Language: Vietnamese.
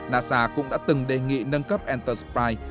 nasa cũng đã từng đề nghị nâng cấp entersprite